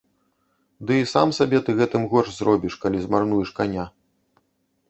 Ды і сам сабе ты гэтым горш зробіш, калі змарнуеш каня.